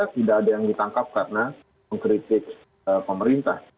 tidak ada yang ditangkap karena mengkritik pemerintah